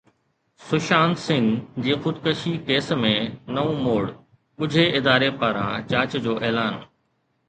سشانت سنگهه جي خودڪشي ڪيس ۾ نئون موڙ، ڳجهي اداري پاران جاچ جو اعلان